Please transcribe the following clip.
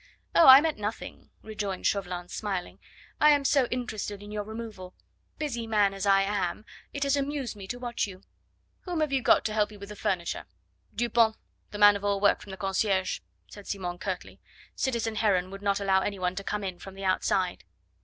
"Oh! I meant nothing," rejoined Chauvelin, smiling. "I am so interested in your removal; busy man as I am, it has amused me to watch you. Whom have you got to help you with the furniture?" "Dupont, the man of all work, from the concierge," said Simon curtly. "Citizen Heron would not allow any one to come in from the outside."